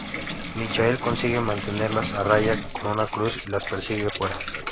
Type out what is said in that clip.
Michael consigue mantenerlas a raya con una Cruz y las persigue fuera.